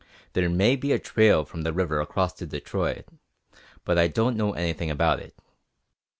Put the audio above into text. There may be a trail from the river across to Detroit, but I don't know anything about it.